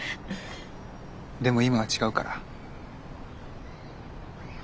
でも今は違うから。